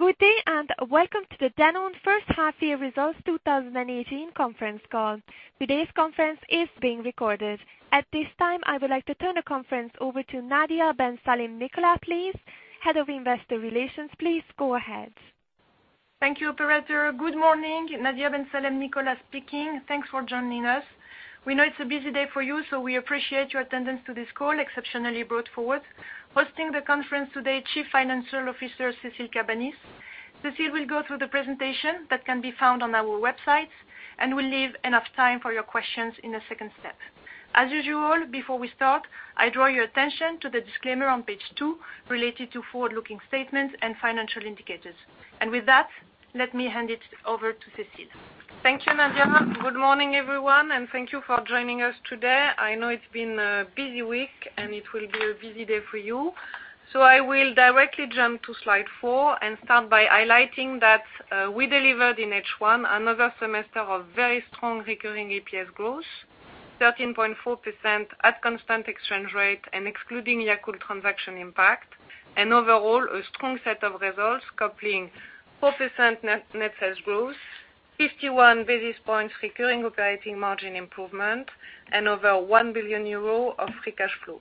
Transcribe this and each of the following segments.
Good day, welcome to the Danone First Half Year Results 2018 conference call. Today's conference is being recorded. At this time, I would like to turn the conference over to Nadia Ben Salem-Nicolas, please, Head of Investor Relations. Please go ahead. Thank you, operator. Good morning. Nadia Ben Salem-Nicolas speaking. Thanks for joining us. We know it's a busy day for you, we appreciate your attendance to this call, exceptionally brought forward. Hosting the conference today, Chief Financial Officer, Cécile Cabanis. Cécile will go through the presentation that can be found on our website and will leave enough time for your questions in the second step. As usual, before we start, I draw your attention to the disclaimer on page two related to forward-looking statements and financial indicators. With that, let me hand it over to Cécile. Thank you, Nadia. Good morning, everyone, thank you for joining us today. I know it's been a busy week, it will be a busy day for you. I will directly jump to slide four and start by highlighting that we delivered in H1 another semester of very strong recurring EPS growth, 13.4% at constant exchange rate and excluding Yakult transaction impact, and overall, a strong set of results coupling 4% net sales growth, 51 basis points recurring operating margin improvement, and over 1 billion euro of free cash flow.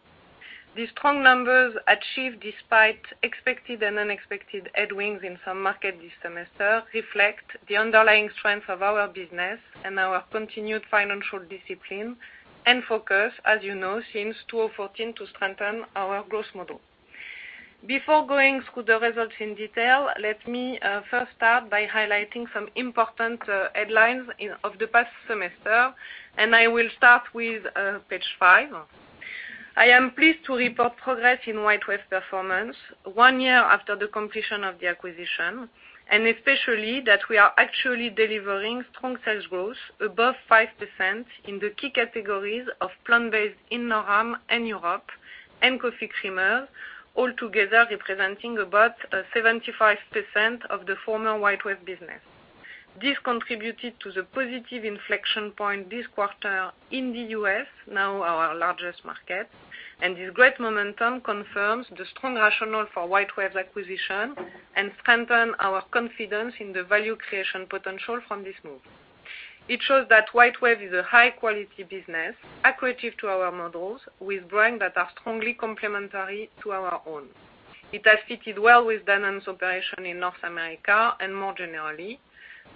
These strong numbers achieved despite expected and unexpected headwinds in some markets this semester reflect the underlying strength of our business and our continued financial discipline and focus, as you know, since 2014, to strengthen our growth model. Before going through the results in detail, let me first start by highlighting some important headlines of the past semester, I will start with page five. I am pleased to report progress in WhiteWave performance one year after the completion of the acquisition, especially that we are actually delivering strong sales growth above 5% in the key categories of plant-based in NORAM and Europe and coffee creamer, altogether representing about 75% of the former WhiteWave business. This contributed to the positive inflection point this quarter in the U.S., now our largest market, this great momentum confirms the strong rationale for WhiteWave's acquisition and strengthen our confidence in the value creation potential from this move. It shows that WhiteWave is a high-quality business, accretive to our models, with brands that are strongly complementary to our own. It has fitted well with Danone's operation in North America and more generally.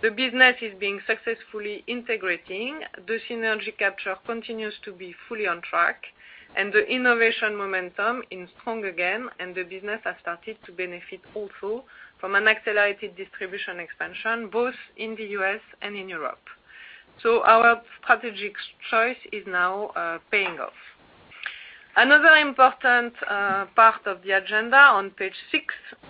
The business is being successfully integrating. The synergy capture continues to be fully on track, and the innovation momentum is strong again, and the business has started to benefit also from an accelerated distribution expansion, both in the U.S. and in Europe. Our strategic choice is now paying off. Another important part of the agenda on page six,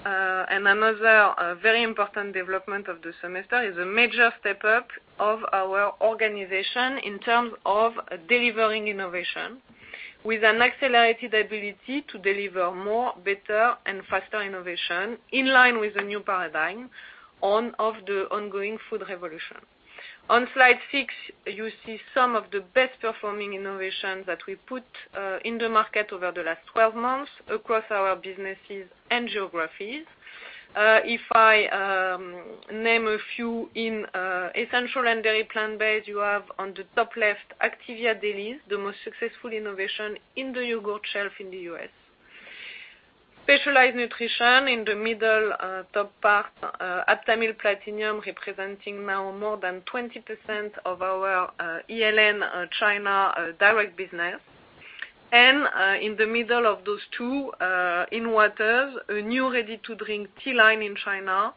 and another very important development of the semester is a major step-up of our organization in terms of delivering innovation with an accelerated ability to deliver more, better, and faster innovation in line with the new paradigm of the ongoing food revolution. On slide six, you see some of the best performing innovations that we put in the market over the last 12 months across our businesses and geographies. If I name a few in Essential Dairy and Plant-Based, you have on the top left, Activia Dailies, the most successful innovation in the yogurt shelf in the U.S. Specialized Nutrition in the middle top part, Aptamil Platinum, representing now more than 20% of our ELN China direct business. In the middle of those two, in Waters, a new ready-to-drink tea line in China,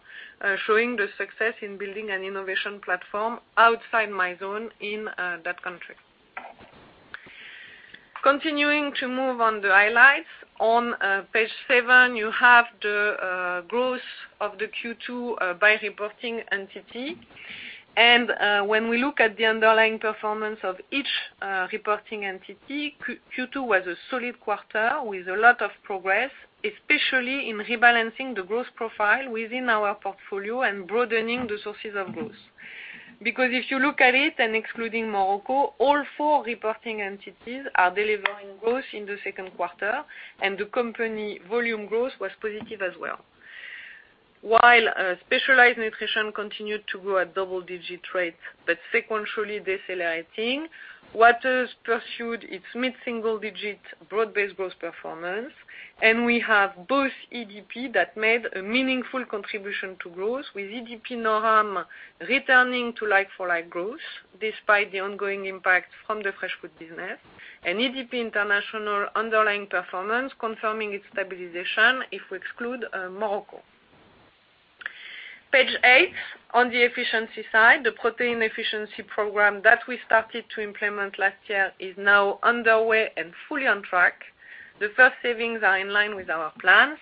showing the success in building an innovation platform outside Mizone in that country. Continuing to move on the highlights. On page seven, you have the growth of the Q2 by reporting entity. When we look at the underlying performance of each reporting entity, Q2 was a solid quarter with a lot of progress, especially in rebalancing the growth profile within our portfolio and broadening the sources of growth. Because if you look at it and excluding Morocco, all four reporting entities are delivering growth in the second quarter, and the company volume growth was positive as well. While Specialized Nutrition continued to grow at double-digit rates but sequentially decelerating, Waters pursued its mid-single-digit broad-based growth performance, and we have both EDP that made a meaningful contribution to growth, with EDP NORAM returning to like-for-like growth despite the ongoing impact from the fresh food business, and EDP International underlying performance confirming its stabilization if we exclude Morocco. Page eight, on the efficiency side, the Protein efficiency program that we started to implement last year is now underway and fully on track. The first savings are in line with our plans,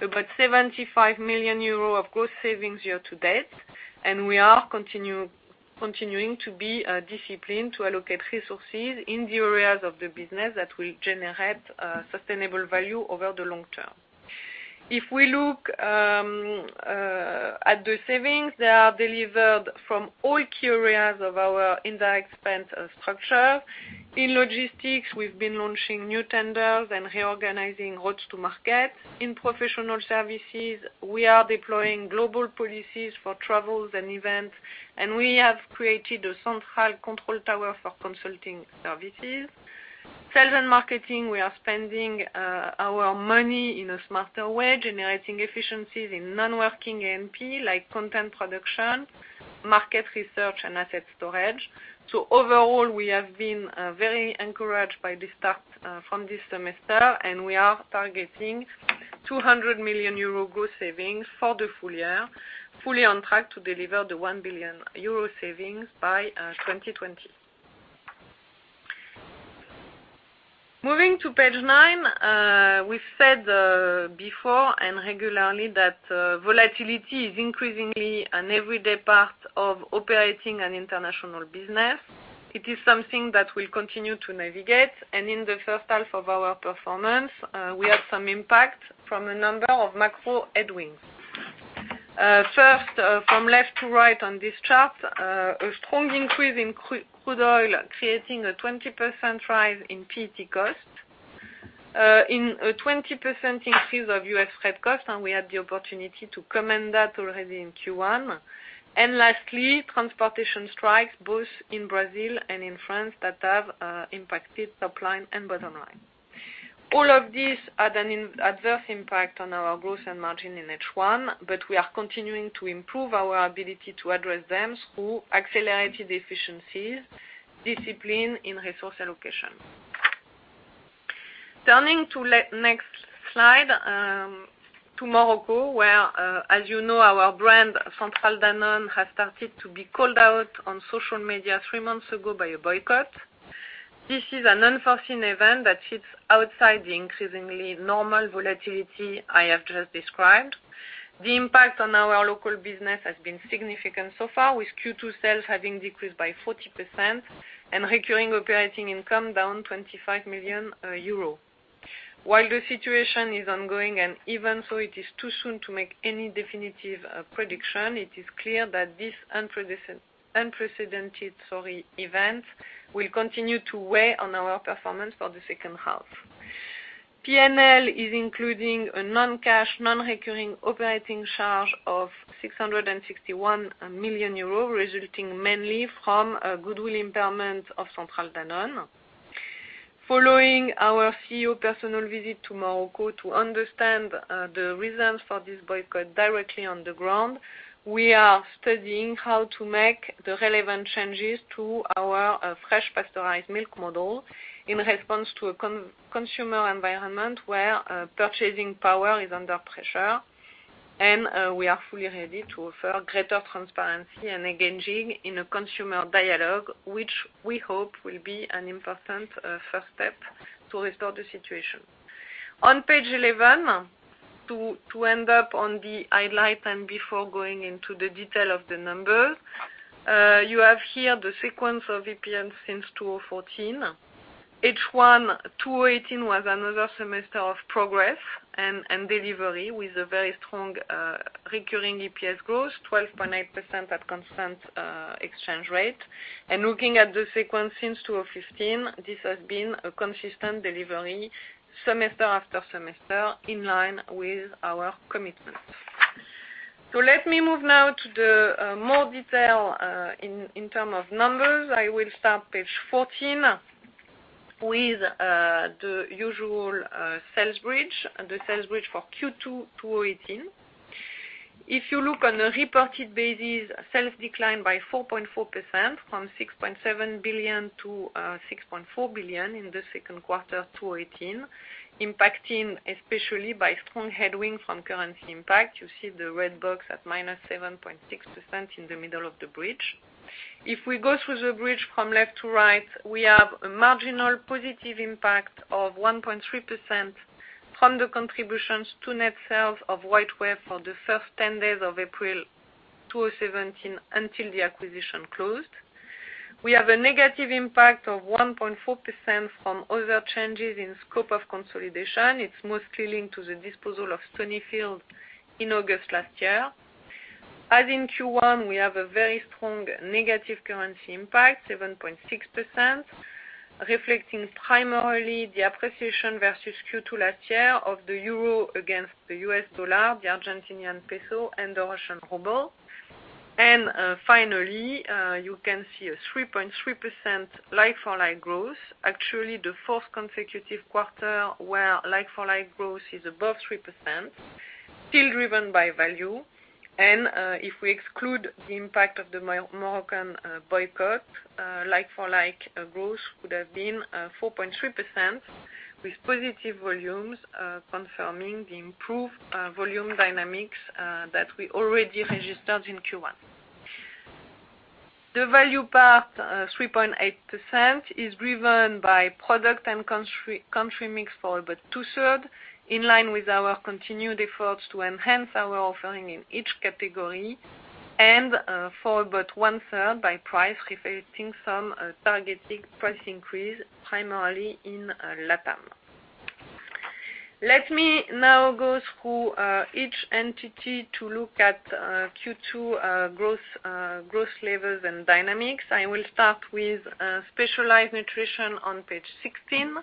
about 75 million euros of gross savings year to date, and we are continuing to be disciplined to allocate resources in the areas of the business that will generate sustainable value over the long term. If we look- At the savings, they are delivered from all key areas of our indirect expense structure. In logistics, we've been launching new tenders and reorganizing routes to market. In professional services, we are deploying global policies for travels and events, and we have created a central control tower for consulting services. Sales and marketing, we are spending our money in a smarter way, generating efficiencies in non-working A&P, like content production, market research, and asset storage. We have been very encouraged by the start from this semester, and we are targeting 200 million euro gross savings for the full year, fully on track to deliver the 1 billion euro savings by 2020. Moving to page nine, we said before and regularly that volatility is increasingly an everyday part of operating an international business. It is something that we'll continue to navigate, and in the first half of our performance, we had some impact from a number of macro headwinds. First, from left to right on this chart, a strong increase in crude oil, creating a 20% rise in PET cost, a 20% increase of U.S. freight cost, and we had the opportunity to comment that already in Q1. Lastly, transportation strikes both in Brazil and in France that have impacted top line and bottom line. All of these had an adverse impact on our growth and margin in H1, we are continuing to improve our ability to address them through accelerated efficiencies, discipline in resource allocation. Turning to next slide, to Morocco, where, as you know, our brand Centrale Danone has started to be called out on social media three months ago by a boycott. This is an unforeseen event that sits outside the increasingly normal volatility I have just described. The impact on our local business has been significant so far, with Q2 sales having decreased by 40% and recurring operating income down 25 million euro. While the situation is ongoing, even so it is too soon to make any definitive prediction, it is clear that this unprecedented event will continue to weigh on our performance for the second half. P&L is including a non-cash, non-recurring operating charge of 661 million euros, resulting mainly from a goodwill impairment of Centrale Danone. Following our CEO personal visit to Morocco to understand the reasons for this boycott directly on the ground, we are studying how to make the relevant changes to our fresh pasteurized milk model in response to a consumer environment where purchasing power is under pressure. We are fully ready to offer greater transparency and engaging in a consumer dialogue, which we hope will be an important first step to restore the situation. On page 11, to end up on the highlight and before going into the detail of the numbers, you have here the sequence of EPS since 2014. H1 2018 was another semester of progress and delivery, with a very strong recurring EPS growth, 12.8% at constant exchange rate. Looking at the sequence since 2015, this has been a consistent delivery, semester after semester, in line with our commitments. Let me move now to the more detail in term of numbers. I will start page 14 with the usual sales bridge, the sales bridge for Q2 2018. If you look on a reported basis, sales declined by 4.4%, from 6.7 billion to 6.4 billion in the second quarter 2018, impacting especially by strong headwind from currency impact. You see the red box at -7.6% in the middle of the bridge. If we go through the bridge from left to right, we have a marginal positive impact of 1.3% from the contributions to net sales of WhiteWave for the first 10 days of April 2017 until the acquisition closed. We have a negative impact of 1.4% from other changes in scope of consolidation. It's mostly linked to the disposal of Stonyfield in August last year. As in Q1, we have a very strong negative currency impact, 7.6%, reflecting primarily the appreciation versus Q2 last year of the euro against the US dollar, the Argentinian peso, and the Russian ruble. Finally, you can see a 3.3% like-for-like growth. Actually, the fourth consecutive quarter where like-for-like growth is above 3%, still driven by value. If we exclude the impact of the Moroccan boycott, like-for-like growth could have been 4.3%, with positive volumes confirming the improved volume dynamics that we already registered in Q1. The value part, 3.8%, is driven by product and country mix for about two-third, in line with our continued efforts to enhance our offering in each category, and for about one-third by price, reflecting some targeted price increase, primarily in LATAM. Let me now go through each entity to look at Q2 growth levels and dynamics. I will start with Specialized Nutrition on page 16.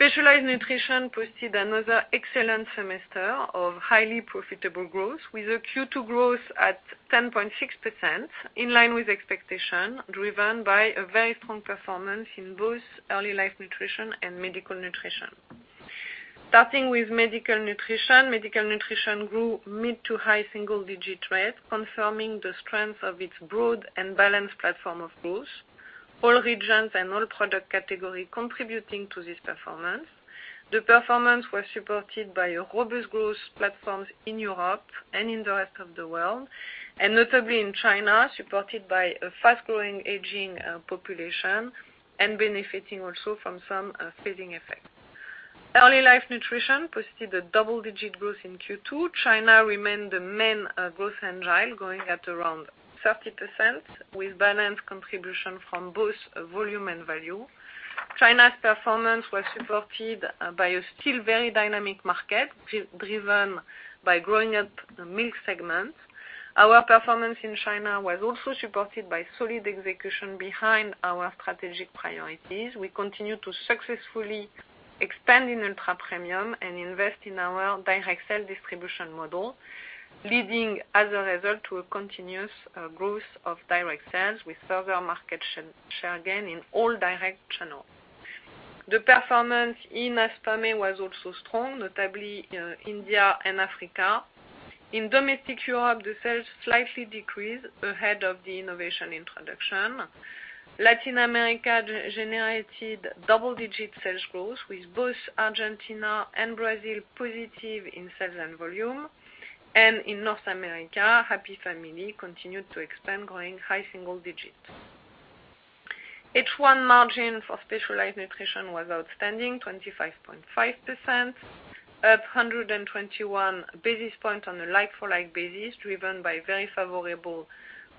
Specialized Nutrition posted another excellent semester of highly profitable growth, with a Q2 growth at 10.6%, in line with expectation, driven by a very strong performance in both Early Life Nutrition and Medical Nutrition. Starting with Medical Nutrition, Medical Nutrition grew mid-to-high single-digit rate, confirming the strength of its broad and balanced platform of growth, all regions and all product category contributing to this performance. The performance was supported by a robust growth platforms in Europe and in the rest of the world, notably in China, supported by a fast-growing aging population and benefiting also from some seasoning effect. Early Life Nutrition posted a double-digit growth in Q2. China remained the main growth engine, growing at around 30%, with balanced contribution from both volume and value. China's performance was supported by a still very dynamic market, driven by growing up the milk segment. Our performance in China was also supported by solid execution behind our strategic priorities. We continue to successfully expand in ultra-premium and invest in our direct sales distribution model, leading as a result to a continuous growth of direct sales with further market share gain in all direct channels. The performance in ASPAME was also strong, notably India and Africa. In domestic Europe, the sales slightly decreased ahead of the innovation introduction. Latin America generated double-digit sales growth with both Argentina and Brazil positive in sales and volume. In North America, Happy Family continued to expand, growing high single digit. H1 margin for Specialized Nutrition was outstanding, 25.5%, up 121 basis point on a like-for-like basis, driven by very favorable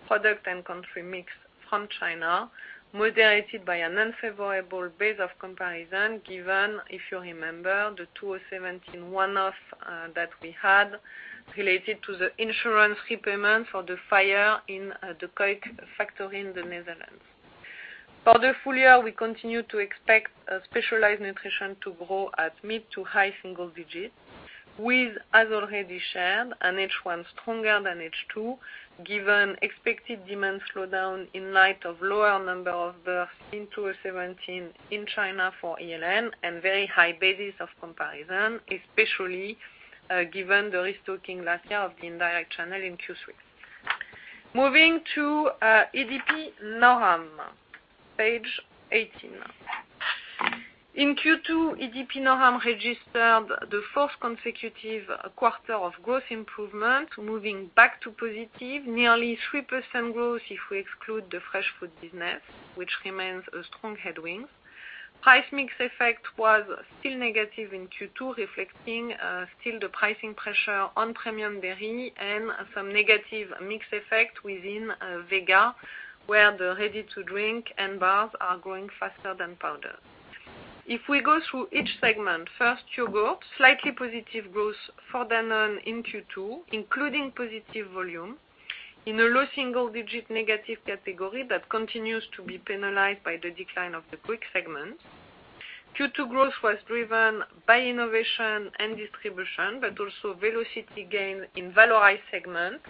product and country mix from China, moderated by an unfavorable base of comparison given, if you remember, the 2017 one-off that we had related to the insurance repayment for the fire in the Cuijk factory in the Netherlands. For the full year, we continue to expect Specialized Nutrition to grow at mid-to-high single digits with, as already shared, an H1 stronger than H2 given expected demand slowdown in light of lower number of births in 2017 in China for ELN and very high basis of comparison, especially given the restocking last year of the indirect channel in Q3. Moving to EDP NORAM, page 18. In Q2, EDP NORAM registered the fourth consecutive quarter of growth improvement, moving back to positive. Nearly 3% growth if we exclude the fresh food business, which remains a strong headwind. Price mix effect was still negative in Q2, reflecting still the pricing pressure on premium dairy and some negative mix effect within Vega, where the ready-to-drink and bars are growing faster than powder. If we go through each segment, first yogurt, slightly positive growth for Danone in Q2, including positive volume in a low single-digit negative category that continues to be penalized by the decline of the Greek segment. Q2 growth was driven by innovation and distribution, but also velocity gain in valorized segments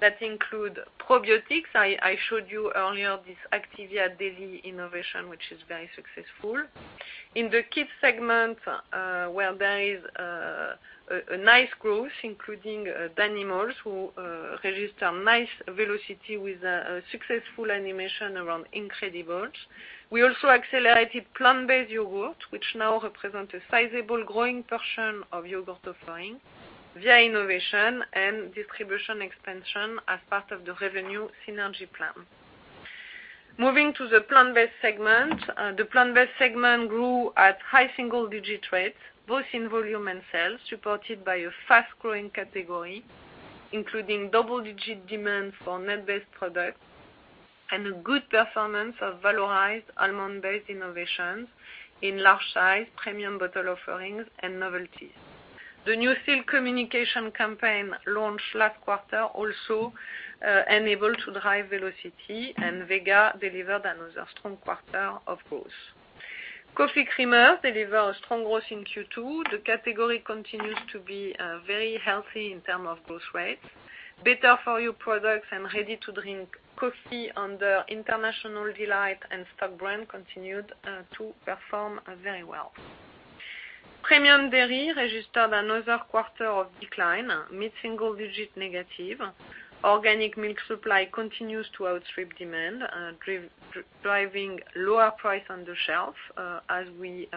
that include probiotics. I showed you earlier this Activia Daily innovation, which is very successful. In the kid segment, where there is a nice growth, including Danimals, who register nice velocity with a successful animation around Incredibles. We also accelerated plant-based yogurt, which now represent a sizable growing portion of yogurt offering via innovation and distribution expansion as part of the revenue synergy plan. Moving to the plant-based segment. The plant-based segment grew at high single-digit rates, both in volume and sales, supported by a fast-growing category, including double-digit demand for nut-based products and a good performance of valorized almond-based innovations in large size premium bottle offerings and novelties. The new Silk communication campaign launched last quarter also enabled to drive velocity, and Vega delivered another strong quarter of growth. Coffee creamers delivered a strong growth in Q2. The category continues to be very healthy in terms of growth rates. Better-for-you products and ready-to-drink coffee under International Delight and Stok Brand continued to perform very well. Premium dairy registered another quarter of decline, mid-single digit negative. Organic milk supply continues to outstrip demand, driving lower price on the shelf, as we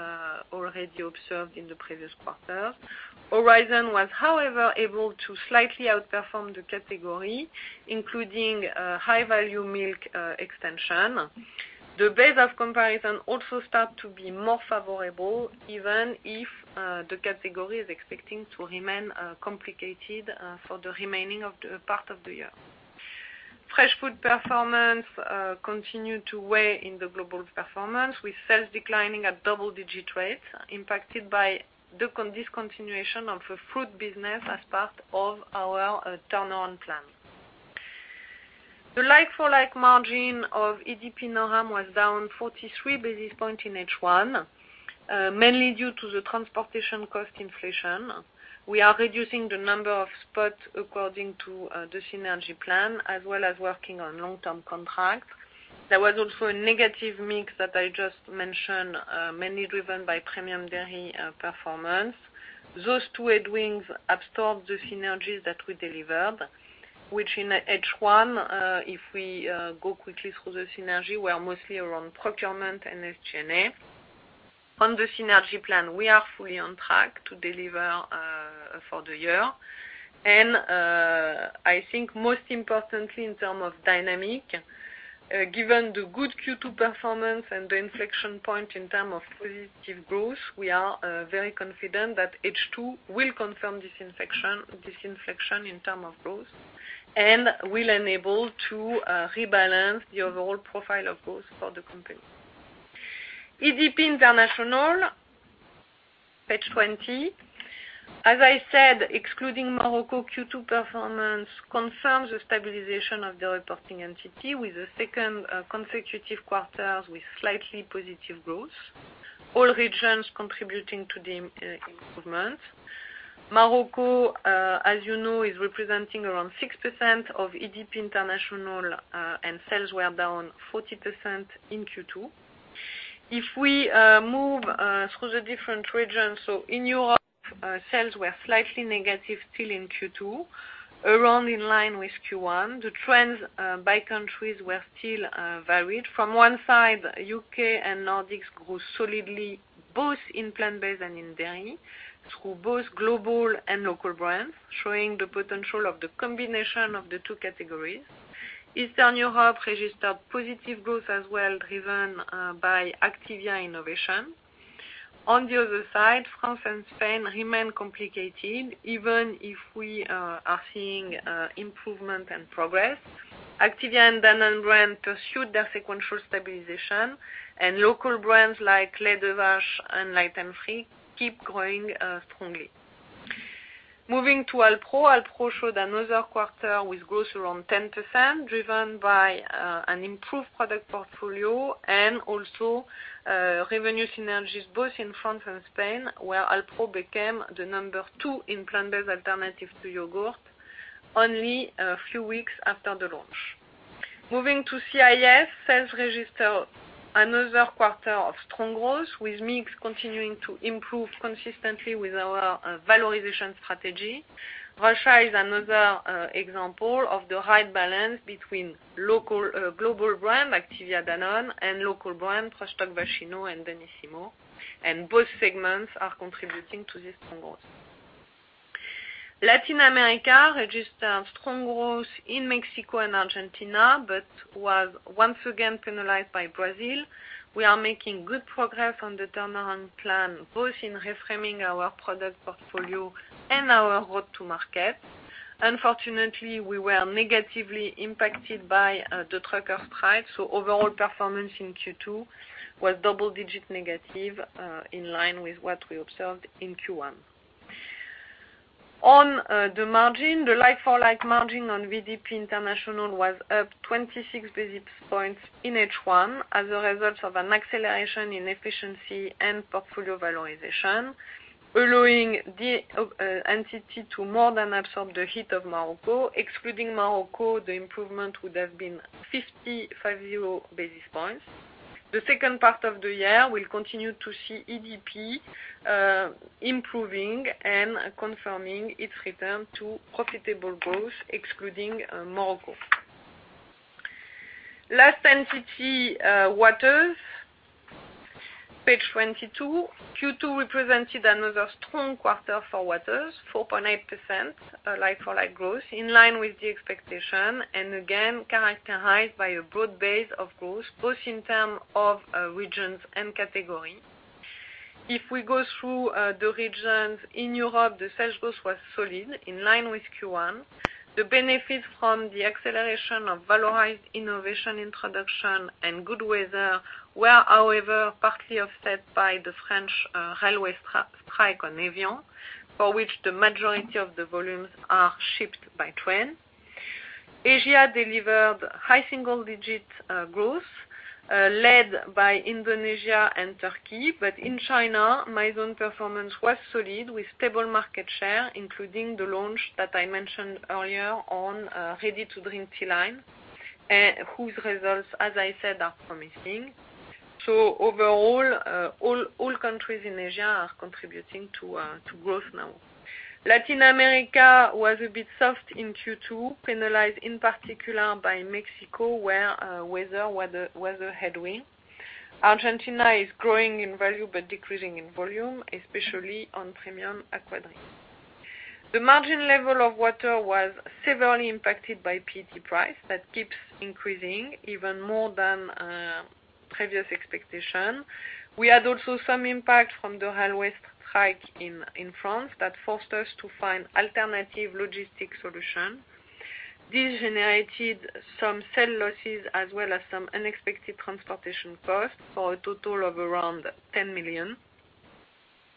already observed in the previous quarter. Horizon was, however, able to slightly outperform the category, including high-value milk extension. The base of comparison also start to be more favorable, even if the category is expecting to remain complicated for the remaining part of the year. Fresh food performance continued to weigh in the global performance, with sales declining at double-digit rates impacted by the discontinuation of the fruit business as part of our turnaround plan. The like-for-like margin of EDP NORAM was down 43 basis points in H1, mainly due to the transportation cost inflation. We are reducing the number of spots according to the synergy plan, as well as working on long-term contracts. There was also a negative mix that I just mentioned, mainly driven by premium dairy performance. Those two headwinds absorbed the synergies that we delivered, which in H1, if we go quickly through the synergy, were mostly around procurement and SG&A. On the synergy plan, we are fully on track to deliver for the year, and I think most importantly in term of dynamic, given the good Q2 performance and the inflection point in term of positive growth, we are very confident that H2 will confirm this inflection in term of growth, and will enable to rebalance the overall profile of growth for the company. EDP International, page 20. As I said, excluding Morocco Q2 performance confirms the stabilization of the reporting entity with the second consecutive quarter with slightly positive growth. All regions contributing to the improvement. Morocco, as you know, is representing around 6% of EDP International, and sales were down 40% in Q2. If we move through the different regions, in Europe, sales were slightly negative still in Q2, around in line with Q1. The trends by countries were still varied. From one side, U.K. and Nordics grew solidly, both in plant-based and in dairy, through both global and local brands, showing the potential of the combination of the two categories. Eastern Europe registered positive growth as well, driven by Activia innovation. On the other side, France and Spain remain complicated, even if we are seeing improvement and progress. Activia and Danone pursued their sequential stabilization, and local brands like and Light & Free keep growing strongly. Moving to Alpro. Alpro showed another quarter with growth around 10%, driven by an improved product portfolio and also revenue synergies both in France and Spain, where Alpro became the number 2 in plant-based alternative to yogurt only a few weeks after the launch. Moving to CIS. Sales registered another quarter of strong growth, with mix continuing to improve consistently with our valorization strategy. Russia is another example of the right balance between global brand, Activia Danone, and local brand, Prostokvashino and Danissimo, and both segments are contributing to this strong growth. Latin America registered strong growth in Mexico and Argentina, but was once again penalized by Brazil. We are making good progress on the turnaround plan, both in reframing our product portfolio and our route to market. Unfortunately, we were negatively impacted by the trucker strike, so overall performance in Q2 was double-digit negative, in line with what we observed in Q1. On the margin, the like-for-like margin on EDP International was up 26 basis points in H1 as a result of an acceleration in efficiency and portfolio valorization, allowing the entity to more than absorb the hit of Morocco. Excluding Morocco, the improvement would have been 50 basis points. The second part of the year will continue to see EDP improving and confirming its return to profitable growth, excluding Morocco. Last entity, Waters, page 22. Q2 represented another strong quarter for Waters, 4.8% like-for-like growth, in line with the expectation, and again, characterized by a broad base of growth, both in term of regions and category. If we go through the regions, in Europe, the sales growth was solid, in line with Q1. The benefits from the acceleration of valorized innovation introduction and good weather were, however, partly offset by the French railway strike on evian, for which the majority of the volumes are shipped by train. Asia delivered high single-digit growth, led by Indonesia and Turkey. But in China, Mizone performance was solid with stable market share, including the launch that I mentioned earlier on ready-to-drink tea line, whose results, as I said, are promising. Overall, all countries in Asia are contributing to growth now. Latin America was a bit soft in Q2, penalized in particular by Mexico, where weather headwind. Argentina is growing in value but decreasing in volume, especially on premium Aquadrink. The margin level of water was severely impacted by PET price. That keeps increasing even more than previous expectation. We had also some impact from the railway strike in France that forced us to find alternative logistic solution. This generated some sell losses as well as some unexpected transportation costs for a total of around 10 million.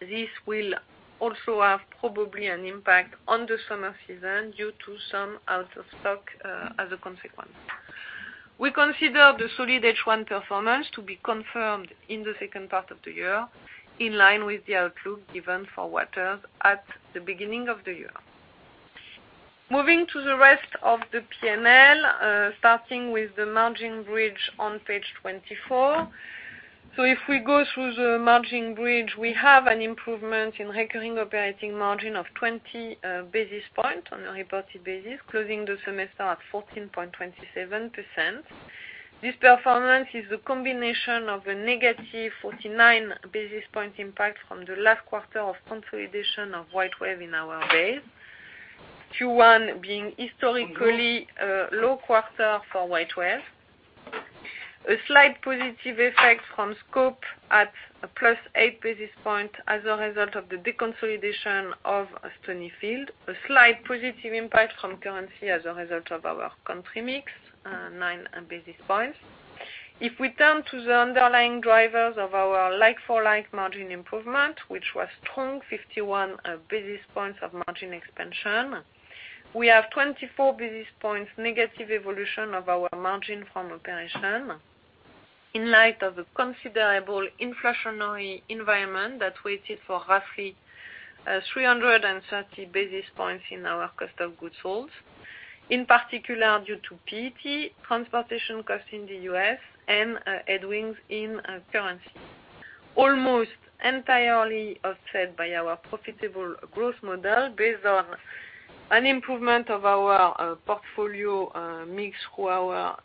This will also have probably an impact on the summer season due to some out-of-stock as a consequence. We consider the solid H1 performance to be confirmed in the second part of the year, in line with the outlook given for waters at the beginning of the year. Moving to the rest of the P&L, starting with the margin bridge on page 24. If we go through the margin bridge, we have an improvement in recurring operating margin of 20 basis points on a reported basis, closing the semester at 14.27%. This performance is a combination of a negative 49 basis point impact from the last quarter of consolidation of WhiteWave in our base. Q1 being historically a low quarter for WhiteWave. A slight positive effect from scope at plus eight basis point as a result of the deconsolidation of Stonyfield, a slight positive impact from currency as a result of our country mix, nine basis points. If we turn to the underlying drivers of our like-for-like margin improvement, which was strong, 51 basis points of margin expansion, we have 24 basis points negative evolution of our margin from operation in light of the considerable inflationary environment that weighted for roughly 330 basis points in our cost of goods sold, in particular due to PET, transportation costs in the U.S., and headwinds in currency. Almost entirely offset by our profitable growth model based on an improvement of our portfolio mix through our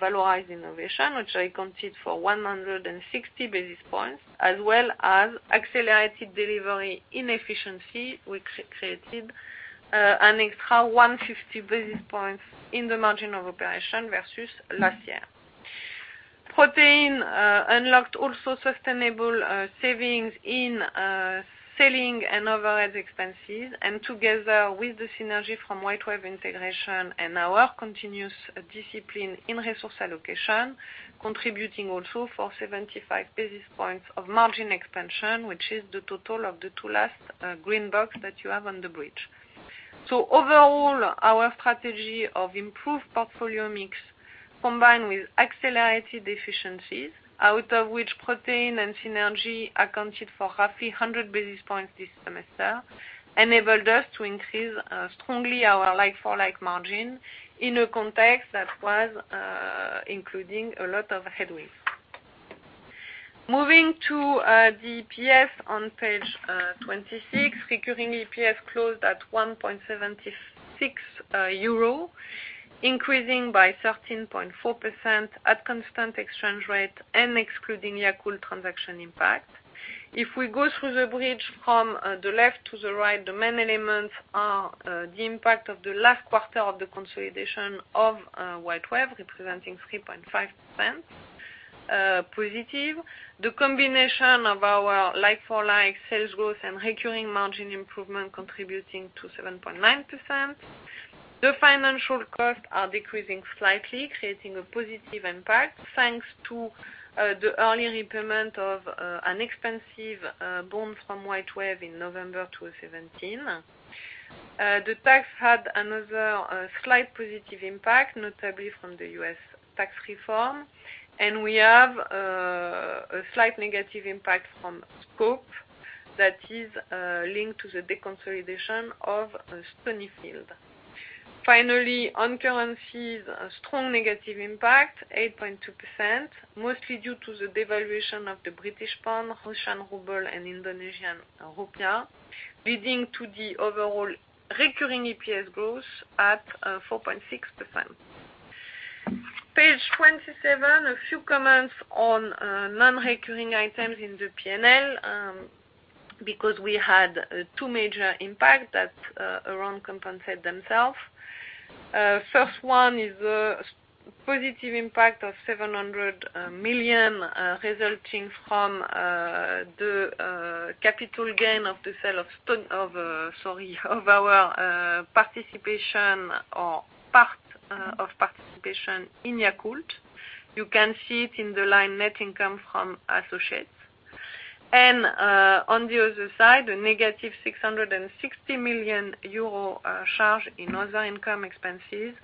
valorized innovation, which accounted for 160 basis points, as well as accelerated delivery inefficiency, which created an extra 150 basis points in the margin of operation versus last year. Protein unlocked also sustainable savings in selling and overhead expenses, and together with the synergy from WhiteWave integration and our continuous discipline in resource allocation, contributing also for 75 basis points of margin expansion, which is the total of the two last green box that you have on the bridge. Overall, our strategy of improved portfolio mix, combined with accelerated efficiencies out of which Protein and synergy accounted for roughly 100 basis points this semester, enabled us to increase strongly our like-for-like margin in a context that was including a lot of headwinds. Moving to the EPS on page 26, recurring EPS closed at 1.76 euro, increasing by 13.4% at constant exchange rate and excluding Yakult transaction impact. If we go through the bridge from the left to the right, the main elements are the impact of the last quarter of the consolidation of WhiteWave, representing 3.5% positive. The combination of our like-for-like sales growth and recurring margin improvement contributing to 7.9%. The financial costs are decreasing slightly, creating a positive impact thanks to the early repayment of an expensive bond from WhiteWave in November 2017. The tax had another slight positive impact, notably from the U.S. tax reform, and we have a slight negative impact from scope that is linked to the deconsolidation of Stonyfield. Finally, on currencies, a strong negative impact, 8.2%, mostly due to the devaluation of the British pound, Russian ruble, and Indonesian rupiah, leading to the overall recurring EPS growth at 4.6%. Page 27, a few comments on non-recurring items in the P&L, because we had two major impacts that around compensate themselves. First one is the positive impact of 700 million, resulting from the capital gain of the sale of our participation or part of participation in Yakult. You can see it in the line net income from associates. On the other side, a negative 660 million euro charge in other income expenses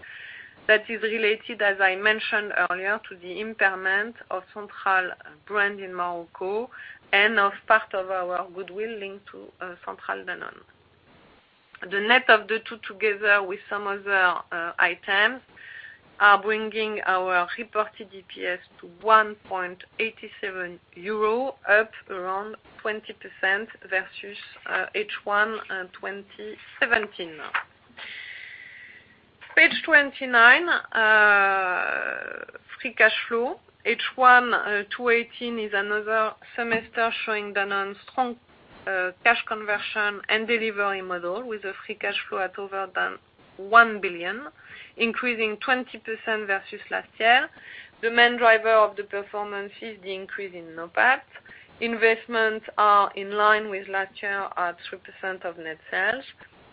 that is related, as I mentioned earlier, to the impairment of Centrale Danone in Morocco and of part of our goodwill linked to Centrale Danone. The net of the two together with some other items are bringing our reported EPS to 1.87 euro, up around 20% versus H1 2017. Page 29, free cash flow. H1 2018 is another semester showing Danone's strong A cash conversion and delivery model with a free cash flow at over 1 billion, increasing 20% versus last year. The main driver of the performance is the increase in NOPAT. Investments are in line with last year at 3% of net sales.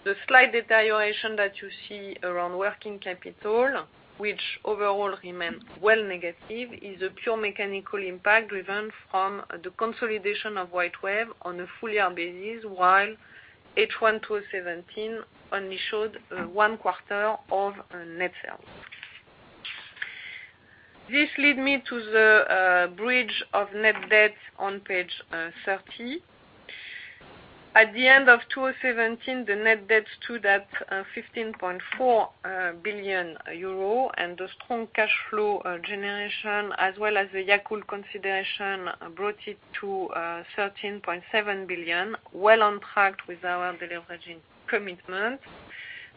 The slight deterioration that you see around working capital, which overall remains well negative, is a pure mechanical impact driven from the consolidation of WhiteWave on a full-year basis, while H1 2017 only showed one quarter of net sales. This lead me to the bridge of net debt on page 30. At the end of 2017, the net debt stood at 15.4 billion euro. The strong cash flow generation, as well as the Yakult consideration, brought it to 13.7 billion, well on track with our deleveraging commitment.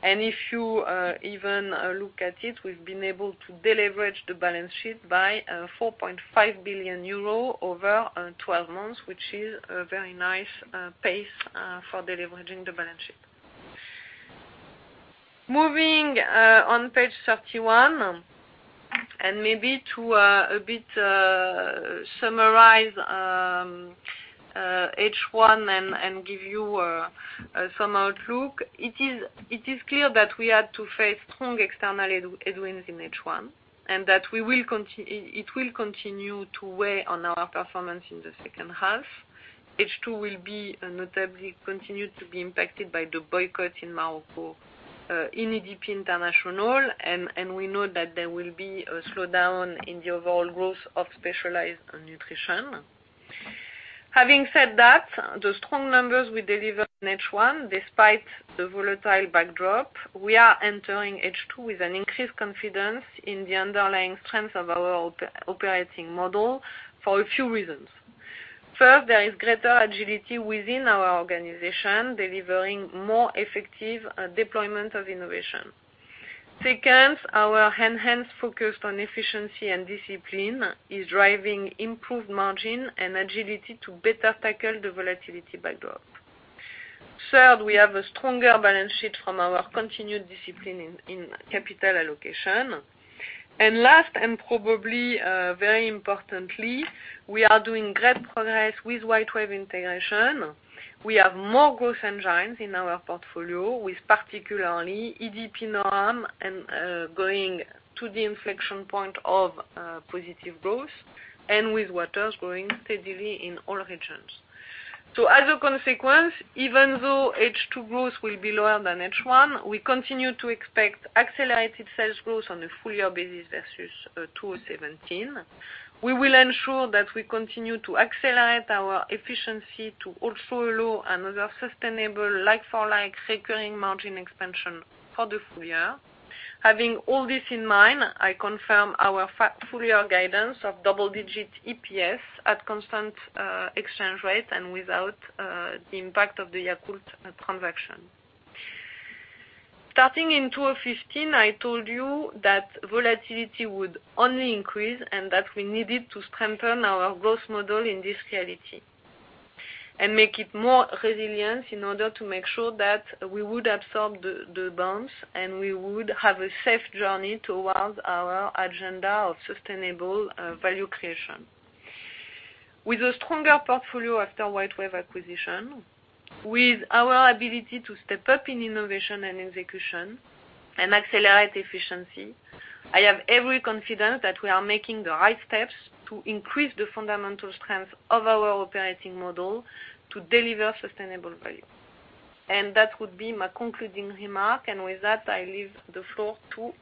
If you even look at it, we've been able to deleverage the balance sheet by 4.5 billion euro over 12 months, which is a very nice pace for deleveraging the balance sheet. Moving on page 31, maybe to a bit summarize H1 and give you some outlook. It is clear that we had to face strong external headwinds in H1, and that it will continue to weigh on our performance in the second half. H2 will be notably continue to be impacted by the boycott in Morocco in EDP International, and we know that there will be a slowdown in the overall growth of Specialized Nutrition. Having said that, the strong numbers we delivered in H1, despite the volatile backdrop, we are entering H2 with an increased confidence in the underlying strength of our operating model for a few reasons. First, there is greater agility within our organization, delivering more effective deployment of innovation. Second, our enhanced focus on efficiency and discipline is driving improved margin and agility to better tackle the volatility backdrop. Third, we have a stronger balance sheet from our continued discipline in capital allocation. Last, and probably very importantly, we are doing great progress with WhiteWave integration. We have more growth engines in our portfolio, with particularly EDP NORAM going to the inflection point of positive growth, and with Waters growing steadily in all regions. As a consequence, even though H2 growth will be lower than H1, we continue to expect accelerated sales growth on a full-year basis versus 2017. We will ensure that we continue to accelerate our efficiency to also allow another sustainable like-for-like recurring margin expansion for the full year. Having all this in mind, I confirm our full-year guidance of double-digit EPS at constant exchange rate and without the impact of the Yakult transaction. Starting in 2015, I told you that volatility would only increase and that we needed to strengthen our growth model in this reality, and make it more resilient in order to make sure that we would absorb the bumps, and we would have a safe journey towards our agenda of sustainable value creation. With a stronger portfolio after WhiteWave acquisition, with our ability to step up in innovation and execution, and accelerate efficiency, I have every confidence that we are making the right steps to increase the fundamental strength of our operating model to deliver sustainable value. That would be my concluding remark, and with that, I leave the floor to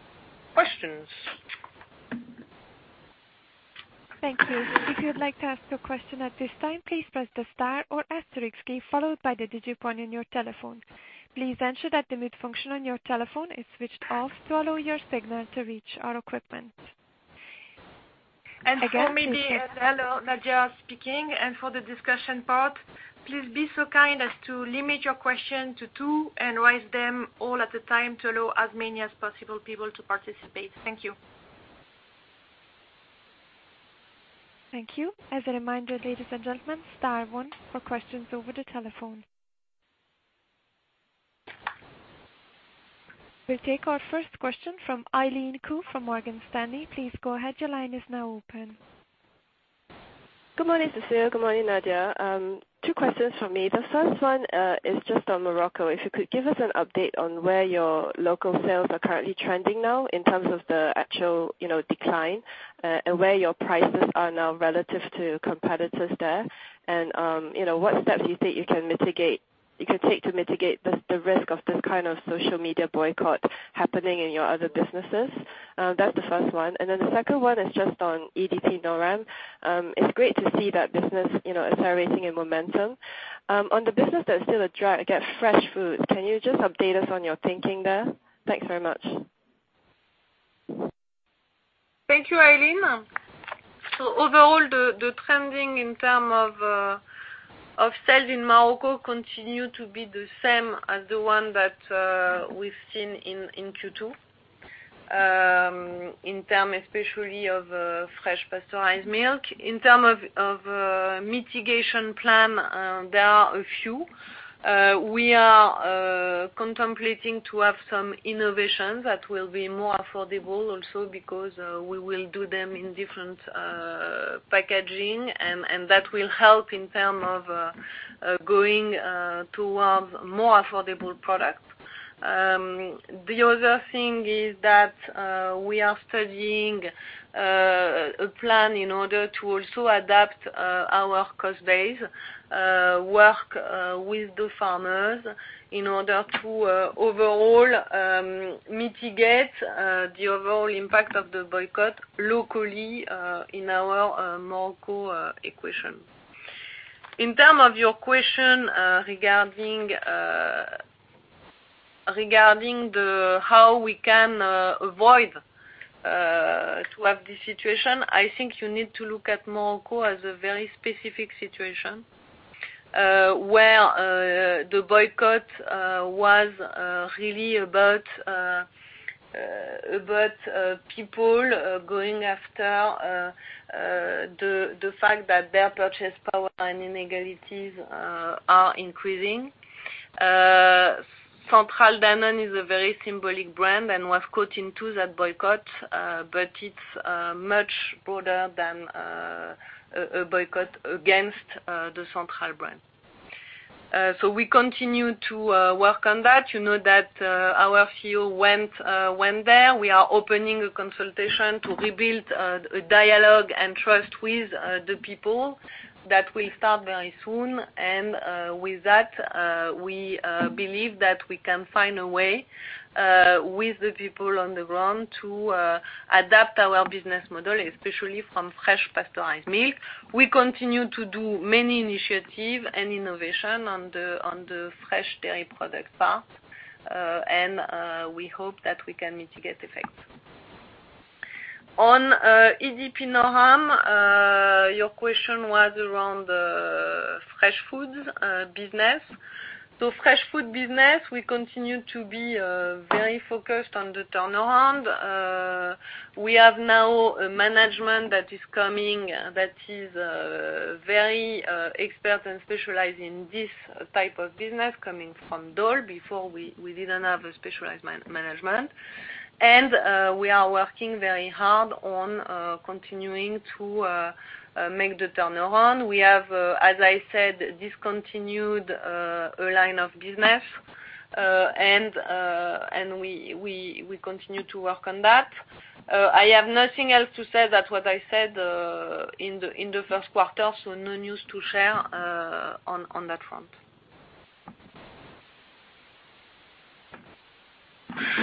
questions. Thank you. If you would like to ask a question at this time, please press the star or asterisk key followed by the digit point on your telephone. Please ensure that the mute function on your telephone is switched off to allow your signal to reach our equipment. For me, Nadia speaking, and for the discussion part, please be so kind as to limit your question to two and raise them all at a time to allow as many as possible people to participate. Thank you. Thank you. As a reminder, ladies and gentlemen, star one for questions over the telephone. We'll take our first question from Eileen Khoo from Morgan Stanley. Please go ahead, your line is now open. Good morning, Cécile. Good morning, Nadia. Two questions from me. The first one is on Morocco. If you could give us an update on where your local sales are currently trending now in terms of the actual decline, and where your prices are now relative to competitors there. What steps you think you can take to mitigate the risk of this kind of social media boycott happening in your other businesses? That's the first one. The second one is on EDP NORAM. It's great to see that business accelerating in momentum. On the business that's still at fresh food, can you update us on your thinking there? Thanks very much. Thank you, Eileen. Overall, the trending in terms of sales in Morocco continue to be the same as the one that we've seen in Q2. In terms especially of fresh pasteurized milk. In terms of mitigation plan, there are a few. We are contemplating to have some innovation that will be more affordable also because we will do them in different packaging, and that will help in terms of going towards more affordable product. The other thing is that we are studying a plan in order to also adapt our cost base, work with the farmers in order to overall mitigate the overall impact of the boycott locally in our Morocco equation. In terms of your question regarding how we can avoid to have this situation, I think you need to look at Morocco as a very specific situation, where the boycott was really about people going after the fact that their purchase power and inequalities are increasing. Centrale Danone is a very symbolic brand and was caught into that boycott, but it's much broader than a boycott against the Centrale brand. We continue to work on that. You know that our CEO went there. We are opening a consultation to rebuild a dialogue and trust with the people that will start very soon. With that, we believe that we can find a way with the people on the ground to adapt our business model, especially from fresh pasteurized milk. We continue to do many initiatives and innovation on the fresh dairy product part. We hope that we can mitigate effect. On EDP NORAM, your question was around the fresh foods business. Fresh food business, we continue to be very focused on the turnaround. We have now a management that is coming that is very expert and specialized in this type of business coming from Dole. Before we didn't have a specialized management. We are working very hard on continuing to make the turnaround. We have, as I said, discontinued a line of business, and we continue to work on that. I have nothing else to say that what I said in the first quarter, no news to share on that front.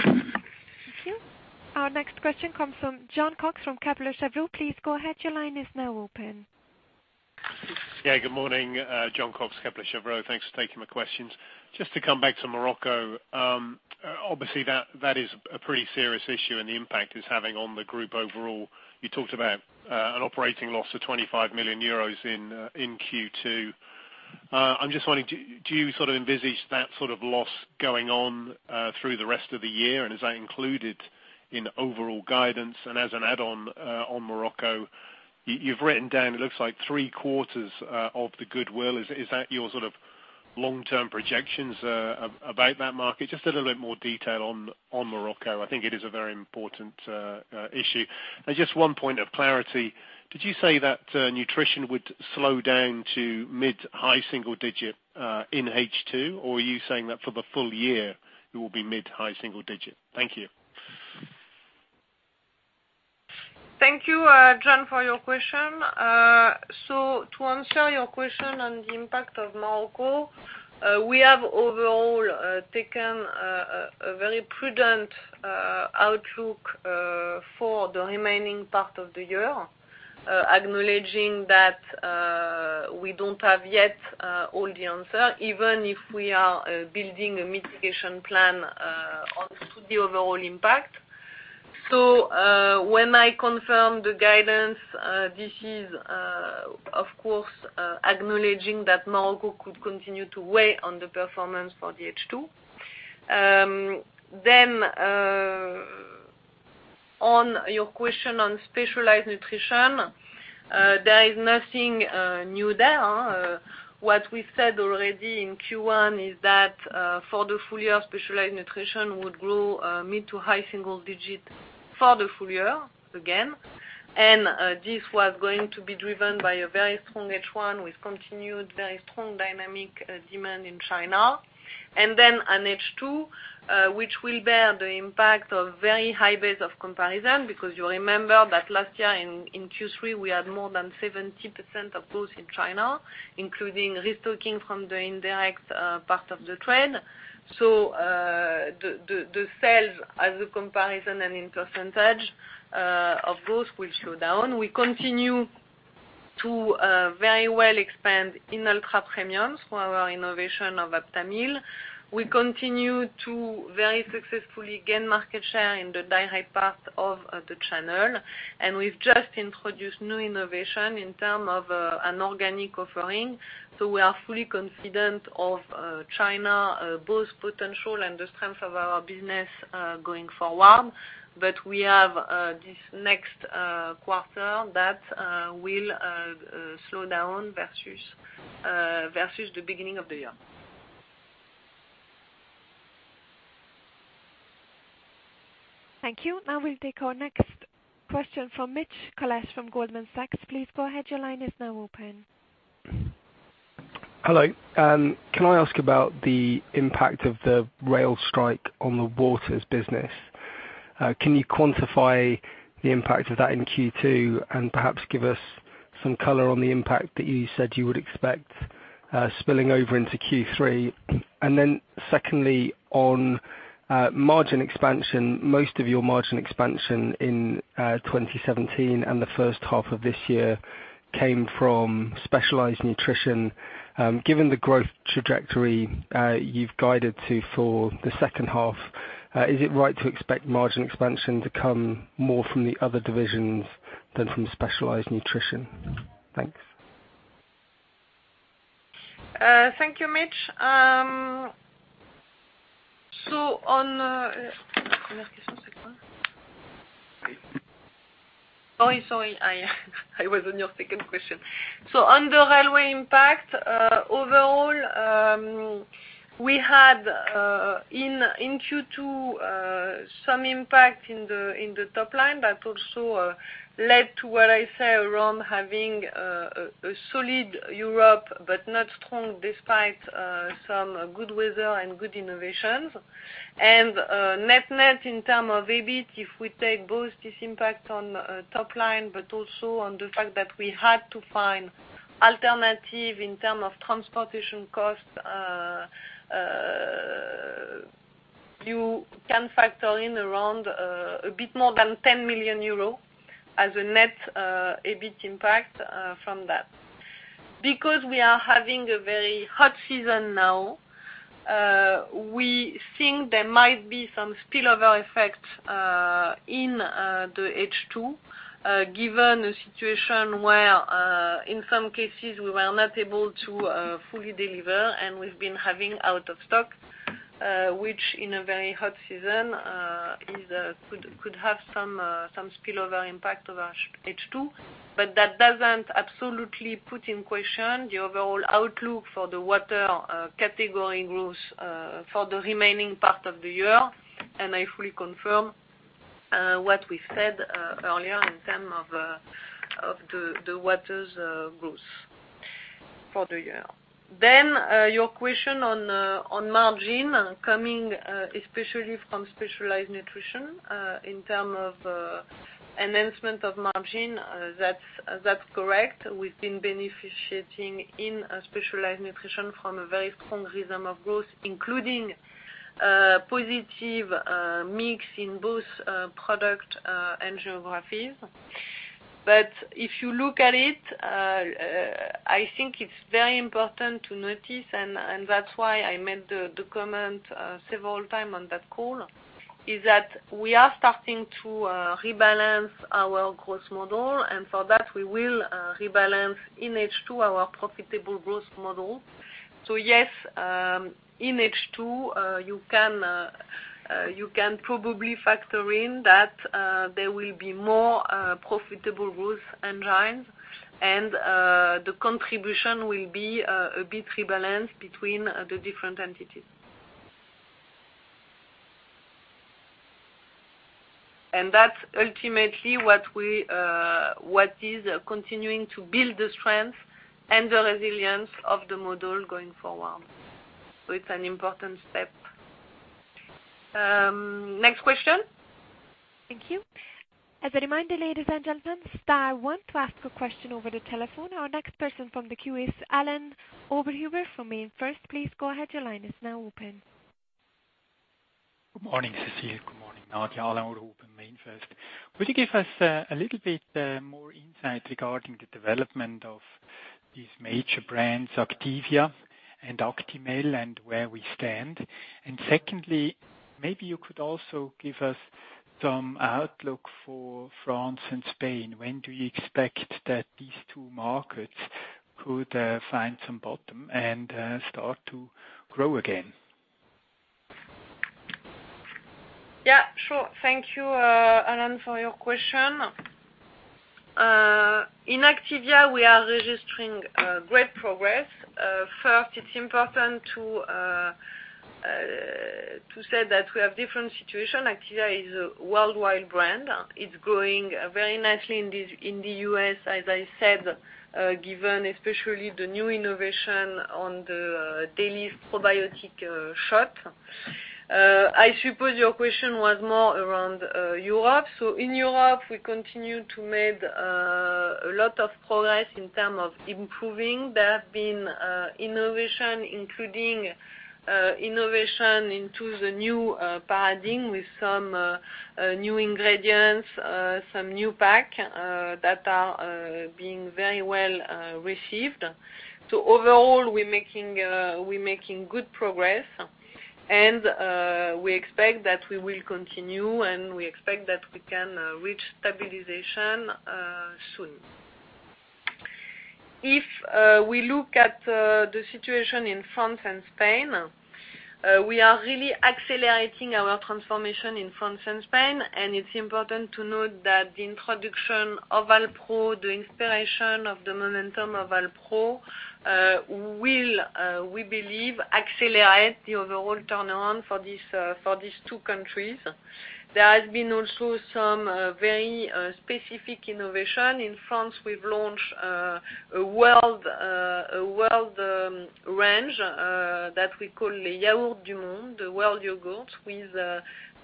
Thank you. Our next question comes from Jon Cox from Kepler Cheuvreux. Please go ahead. Your line is now open. Yeah, good morning. Jon Cox, Kepler Cheuvreux. Thanks for taking my questions. Just to come back to Morocco. Obviously, that is a pretty serious issue and the impact it is having on the group overall. You talked about an operating loss of 25 million euros in Q2. I am just wondering, do you envisage that sort of loss going on through the rest of the year, and is that included in overall guidance? As an add-on, on Morocco, you have written down, it looks like three quarters of the goodwill. Is that your long-term projections about that market? Just a little bit more detail on Morocco. I think it is a very important issue. Just one point of clarity. Did you say that nutrition would slow down to mid-high single digit, in H2? Or are you saying that for the full year it will be mid-high single digit? Thank you. Thank you, Jon, for your question. To answer your question on the impact of Morocco, we have overall taken a very prudent outlook for the remaining part of the year, acknowledging that we do not have yet all the answer, even if we are building a mitigation plan on the overall impact. When I confirm the guidance, this is, of course, acknowledging that Morocco could continue to weigh on the performance for the H2. On your question on Specialized Nutrition, there is nothing new there. What we said already in Q1 is that, for the full year, Specialized Nutrition would grow mid to high single digit for the full year again. This was going to be driven by a very strong H1 with continued very strong dynamic demand in China. An H2, which will bear the impact of very high base of comparison, because you remember that last year in Q3, we had more than 70% of growth in China, including restocking from the indirect part of the trade. The sales as a comparison and in percentage of growth will slow down. We continue to very well expand in ultra premium for our innovation of Aptamil. We continue to very successfully gain market share in the direct part of the channel, and we have just introduced new innovation in term of an organic offering. We are fully confident of China growth potential and the strength of our business going forward. We have this next quarter that will slow down versus the beginning of the year. Thank you. Now we'll take our next question from Martin Deboo from Goldman Sachs. Please go ahead. Your line is now open. Hello. Can I ask about the impact of the rail strike on the Waters business? Can you quantify the impact of that in Q2 and perhaps give us some color on the impact that you said you would expect spilling over into Q3? Secondly, on margin expansion, most of your margin expansion in 2017 and the first half of this year came from Specialized Nutrition. Given the growth trajectory you've guided to for the second half, is it right to expect margin expansion to come more from the other divisions than from Specialized Nutrition? Thanks. Thank you, Martin. Oh, sorry, I was on your second question. On the railway impact, overall, we had in Q2 some impact in the top line that also led to what I say around having a solid Europe, but not strong despite some good weather and good innovations. Net-net in term of EBIT, if we take both this impact on top line, but also on the fact that we had to find alternative in term of transportation costs, you can factor in around a bit more than 10 million euros as a net EBIT impact from that. We are having a very hot season now, we think there might be some spillover effect in the H2, given a situation where, in some cases, we were not able to fully deliver, and we've been having out of stock, which in a very hot season could have some spillover impact of our H2. That doesn't absolutely put in question the overall outlook for the Waters category growth for the remaining part of the year. I fully confirm what we said earlier in term of the Waters growth for the year. Your question on margin coming especially from Specialized Nutrition in term of enhancement of margin. That's correct. We've been benefiting in Specialized Nutrition from a very strong rhythm of growth, including positive mix in both product and geographies. If you look at it, I think it's very important to notice, that's why I made the comment several times on that call, is that we are starting to rebalance our growth model, for that, we will rebalance in H2 our profitable growth model. Yes, in H2 you can probably factor in that there will be more profitable growth engines, and the contribution will be a bit rebalanced between the different entities. That's ultimately what is continuing to build the strength and the resilience of the model going forward. It's an important step. Next question. Thank you. As a reminder, ladies and gentlemen, star one to ask a question over the telephone. Our next person from the queue is Alain Oberhuber from MainFirst. Please go ahead. Your line is now open. Good morning, Cécile. Good morning, Nadia. Alain Oberhuber, MainFirst. Would you give us a little bit more insight regarding the development of these major brands, Activia and Actimel, and where we stand? Secondly, maybe you could also give us some outlook for France and Spain. When do you expect that these two markets could find some bottom and start to grow again? Yeah, sure. Thank you, Alain, for your question. In Activia, we are registering great progress. First, it's important to say that we have different situation. Activia is a worldwide brand. It's growing very nicely in the U.S., as I said, given especially the new innovation on the daily probiotic shot. I suppose your question was more around Europe. In Europe, we continue to make a lot of progress in terms of improving. There have been innovation, including innovation into the new paradigm with some new ingredients, some new pack that are being very well received. Overall, we're making good progress, and we expect that we will continue, and we expect that we can reach stabilization soon. If we look at the situation in France and Spain, we are really accelerating our transformation in France and Spain, and it's important to note that the introduction of Alpro, the inspiration of the momentum of Alpro, will, we believe, accelerate the overall turnaround for these two countries. There has been also some very specific innovation. In France, we've launched a world range that we call the Yaourt du Monde, the world yogurt, with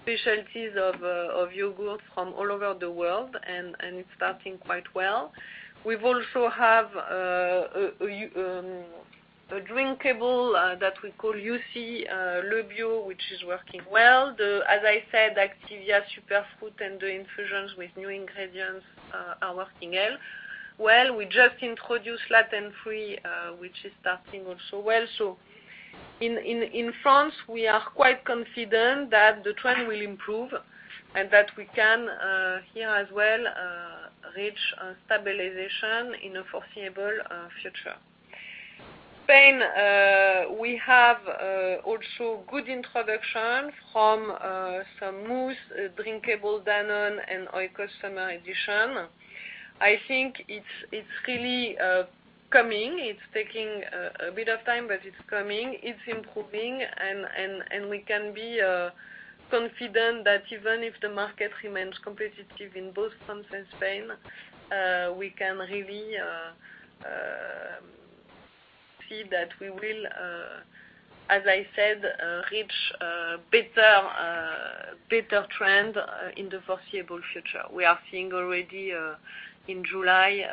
specialties of yogurt from all over the world, and it's starting quite well. We also have a drinkable that we call Yossi Le Bio, which is working well. As I said, Activia Superfruit and the infusions with new ingredients are working well. We just introduced Lactose Free, which is starting also well. In France, we are quite confident that the trend will improve and that we can, here as well, reach stabilization in the foreseeable future. Spain, we have also good introduction from some mousse, drinkable Danone, and our customer edition. I think it's really coming. It's taking a bit of time, but it's coming. It's improving, and we can be confident that even if the market remains competitive in both France and Spain, we can really see that we will, as I said, reach a better trend in the foreseeable future. We are seeing already in July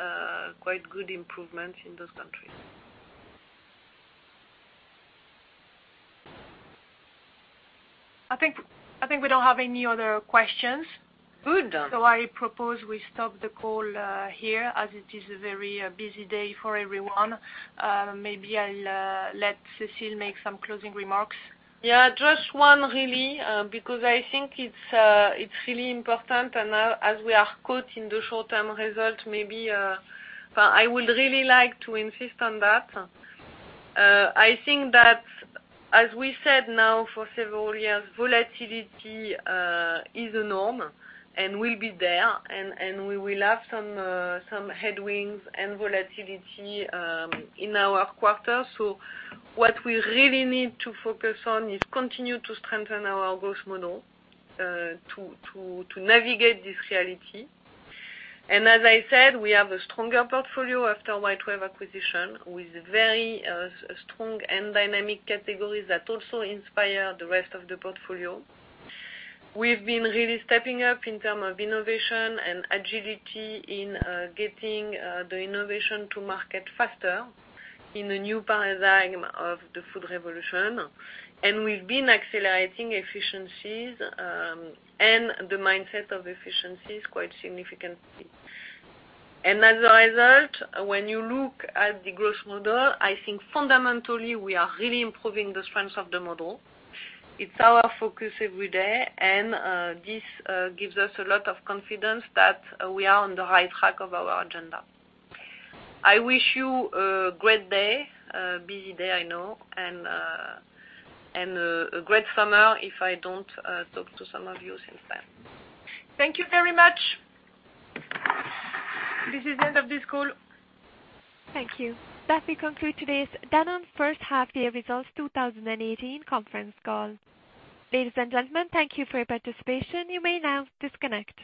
quite good improvements in those countries. I think we don't have any other questions. Good. I propose we stop the call here, as it is a very busy day for everyone. Maybe I'll let Cécile make some closing remarks. Just one really, because I think it's really important, and as we are caught in the short-term result, maybe I would really like to insist on that. I think that, as we said now for several years, volatility is the norm and will be there, and we will have some headwinds and volatility in our quarter. What we really need to focus on is continue to strengthen our growth model to navigate this reality. As I said, we have a stronger portfolio after WhiteWave acquisition, with very strong and dynamic categories that also inspire the rest of the portfolio. We've been really stepping up in term of innovation and agility in getting the innovation to market faster in the new paradigm of the food revolution. We've been accelerating efficiencies and the mindset of efficiencies quite significantly. As a result, when you look at the growth model, I think fundamentally, we are really improving the strength of the model. It's our focus every day, and this gives us a lot of confidence that we are on the right track of our agenda. I wish you a great day, a busy day, I know, and a great summer if I don't talk to some of you since then. Thank you very much. This is the end of this call. Thank you. That concludes today's Danone First Half Year Results 2018 conference call. Ladies and gentlemen, thank you for your participation. You may now disconnect.